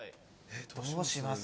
どうします？